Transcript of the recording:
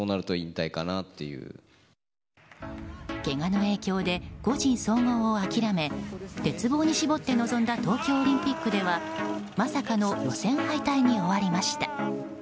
けがの影響で個人総合を諦め鉄棒に絞って臨んだ東京オリンピックではまさかの予選敗退に終わりました。